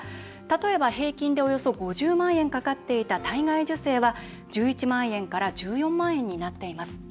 例えば、平均でおよそ５０万円かかっていた体外受精は１１万円から１４万円になっています。